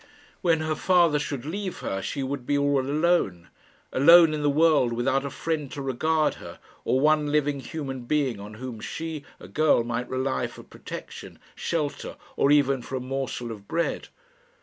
When her father should leave her she would be all alone alone in the world, without a friend to regard her, or one living human being on whom she, a girl, might rely for protection, shelter, or even for a morsel of bread.